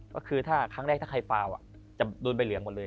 ก็คือถ้าครั้งแรกถ้าใครฟาวจะโดนใบเหลืองหมดเลย